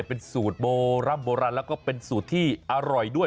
เป็นสูตรโบร่ำโบราณแล้วก็เป็นสูตรที่อร่อยด้วย